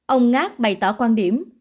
ông ngác bày tỏ quan điểm